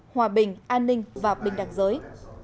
hòa bình an ninh và bình đặc giới